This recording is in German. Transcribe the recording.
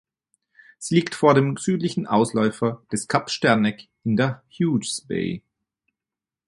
Sie liegt vor dem südlichen Ausläufer des Kap Sterneck in der Hughes Bay.